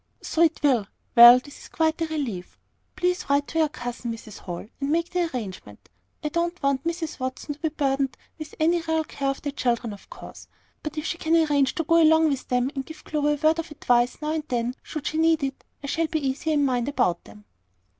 "So it will. Well, this is quite a relief. Please write to your cousin, Mrs. Hall, and make the arrangement. I don't want Mrs. Watson to be burdened with any real care of the children, of course; but if she can arrange to go along with them, and give Clover a word of advice now and then, should she need it, I shall be easier in my mind about them."